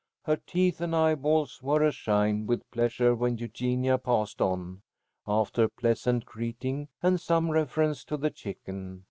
Her teeth and eyeballs were a shine with pleasure when Eugenia passed on, after a pleasant greeting and some reference to the chicken.